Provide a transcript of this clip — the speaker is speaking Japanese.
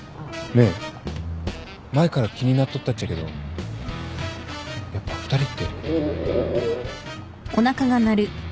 ねえ前から気になっとったっちゃけどやっぱ２人って。